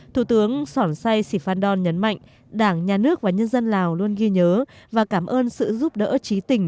thủ tướng sỏn say sì phan đòn nhấn mạnh đảng nhà nước và nhân dân lào luôn ghi nhớ và cảm ơn sự giúp đỡ trí tình